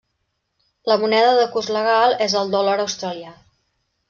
La moneda de curs legal és el dòlar australià.